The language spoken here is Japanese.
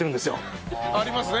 ありますね。